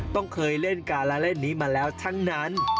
ต้องเคยเล่นการละเล่นนี้มาแล้วทั้งนั้น